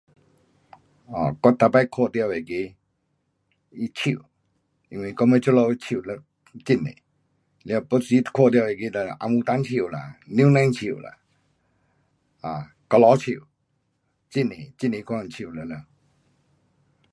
um 我每次看到那个 [unintelligible] 树。你看到那个红丹树啦,榴莲树啦。um 橄榄树。很多，很多个样树。